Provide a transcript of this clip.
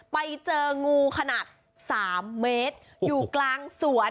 ไปเจองูขนาด๓เมตรอยู่กลางสวน